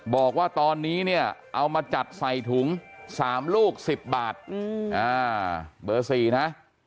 บอกว่าตอนนี้เนี่ยเอามาจัดใส่ถุง๓ลูก๑๐บาทเบอร์๔นะ